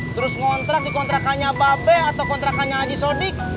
terus ngontrak di kontrakannya babe atau kontrakannya haji sodik